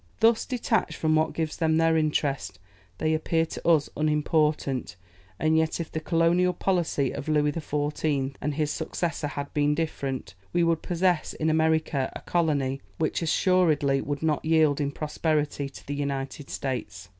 Thus detached from what gives them their interest, they appear to us unimportant; and yet if the colonial policy of Louis XIV. and his successor had been different, we should possess in America a colony which assuredly would not yield in prosperity to the United States.